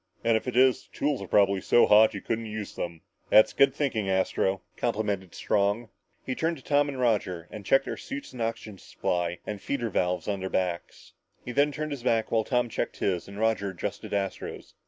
And if it is, the tools are probably so hot you couldn't use them." "That's good thinking, Astro," complimented Strong. He turned to Tom and Roger and checked their suits and the oxygen supply and feeder valves on their backs. He then turned his back while Tom checked his, and Roger adjusted Astro's.